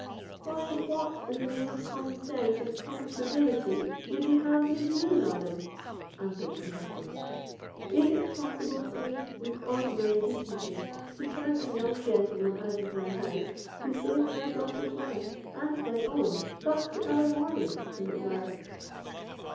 "Why, what, in the name of common sense and common civility, would you have me do, madam?" answered her husband. "Is it possible for me, with ordinary decency, to turn a young gentleman out of my house, who saved my daughter's life and my own, but the other morning, as it were?"